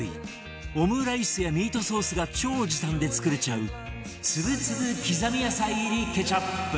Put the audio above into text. オムライスやミートソースが超時短で作れちゃうつぶつぶ刻み野菜入りケチャップ